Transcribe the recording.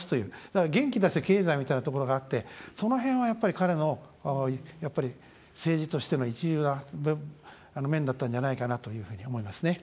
だから、元気出せ経済みたいなところがあってその辺は、やっぱり彼の政治としての一流な面だったんじゃないかなというふうに思いますね。